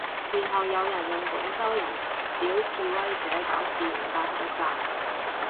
然後有人用廣州人屌示威者搞事唔戴口罩